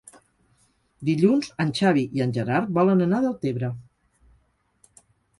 Dilluns en Xavi i en Gerard volen anar a Deltebre.